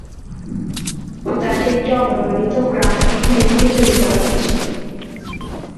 উদ্যানটি একটি অব্যবহৃত গ্রানাইট খনি থেকে তৈরি করা হয়েছিল।